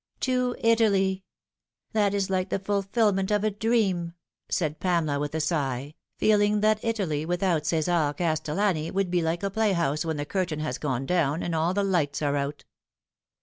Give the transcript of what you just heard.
" To Italy ! That is like the fulfilment of a dream," said Pamela with a sigh, feeling, that Italy without Cesar Castellani would be like a playhouse when the curtain has gone down and all the lights are out.